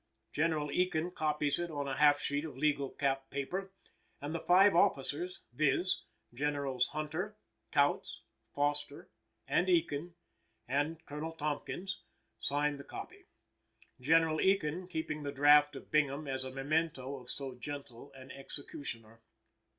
General Ekin copies it on a half sheet of legal cap paper, and the five officers, viz.: Generals Hunter, Kautz, Foster and Ekin, and Colonel Tompkins, sign the copy; General Ekin keeping the draft of Bingham as a memento of so gentle an executioner.